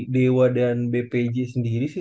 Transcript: dewa dan bpj sendiri sih